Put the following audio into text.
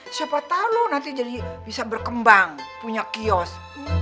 eh siapa tau lo nanti jadi bisa berkembang punya kios